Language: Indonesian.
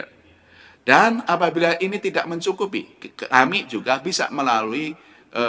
kalau bank bank itu mengalami kebutuhan likuiditas